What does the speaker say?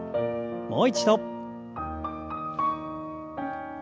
もう一度。